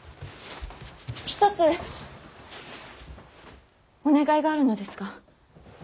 一つお願いがあるのですが。